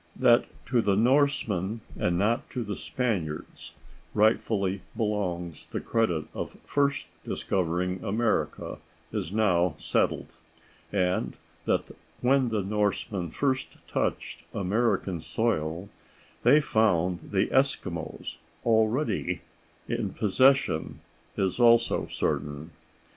That to the Norsemen and not to the Spaniards rightfully belongs the credit of first discovering America is now settled, and that when the Norsemen first touched American soil they found the Eskimos already in possession is also certain.